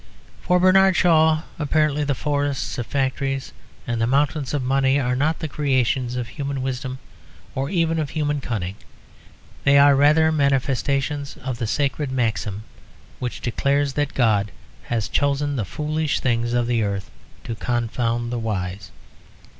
For Bernard Shaw, apparently, the forests of factories and the mountains of money are not the creations of human wisdom or even of human cunning; they are rather manifestations of the sacred maxim which declares that God has chosen the foolish things of the earth to confound the wise.